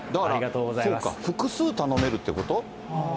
そうか、複数頼めるってこと？